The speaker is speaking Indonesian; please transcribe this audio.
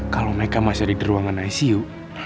kalau mereka masih ada di ruangan icu